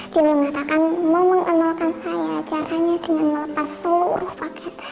dia mengatakan mau mengenalkan saya caranya dengan melepas seluruh paket